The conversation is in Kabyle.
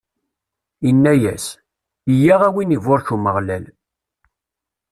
Inna-yas: Yya a win iburek Umeɣlal!